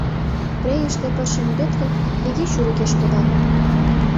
Прейыше пырчым ӱдет гын, виге чурикеш кодат.